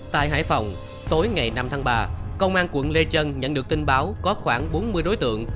tại hải phòng tối ngày năm tháng ba công an quận lê chân nhận được tin báo có khoảng bốn mươi đối tượng